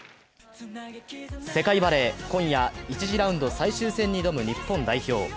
世界バレー、今夜１次ラウンド最終戦に挑む日本代表。